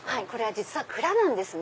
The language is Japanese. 実は蔵なんですね。